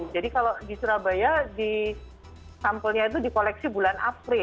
jadi kalau di surabaya sampelnya itu di koleksi bulan april